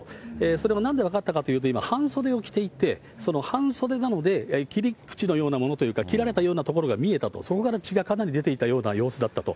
それはなんで分かったかというと、今、半袖を着ていて、その半袖なので、切り口のようなものというか、切られたようなところが見えたと、そこから血がかなり出ていたような様子だったと。